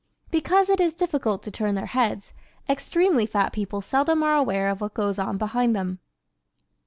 Because it is difficult to turn their heads, extremely fat people seldom are aware of what goes on behind them.